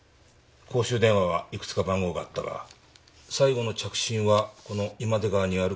公衆電話はいくつか番号があったが最後の着信はこの今出川にある公衆電話だ。